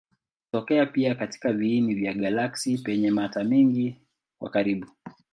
Hutokea pia katika viini vya galaksi penye mata nyingi kwa karibu.